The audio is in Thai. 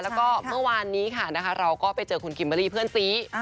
แล้วก็เมื่อวานนี้ค่ะเราก็ไปเจอคุณคิมเบอร์รี่เพื่อนซี